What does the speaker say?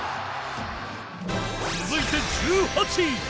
続いて１８位